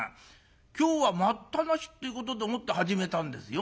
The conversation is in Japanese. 今日は『待ったなし』ってことでもって始めたんですよ。